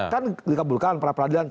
kan dikabulkan peradilan